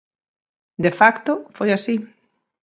De facto foi así.